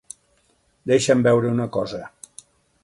Deixa'm veure una cosa.